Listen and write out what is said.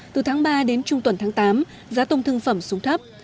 từ tháng ba đến trung tuần tháng tám giá tôm thương phẩm xuống thấp